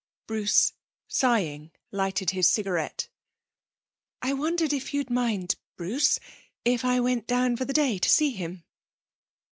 Bruce, sighing, lighted his cigarette. 'I wondered if you'd mind, Bruce, if I went down for the day to see him?'